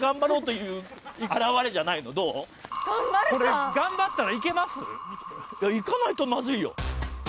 いやいかないとまずいよ。